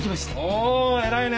おお偉いね。